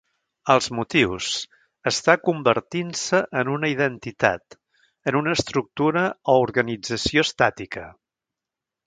Els motius: estar convertint-se en una identitat, en una estructura o organització estàtica.